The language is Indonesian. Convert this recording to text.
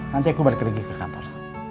nanti aku balik lagi ke kantor